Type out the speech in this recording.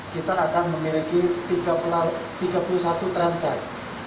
kita akan memiliki tiga puluh satu transit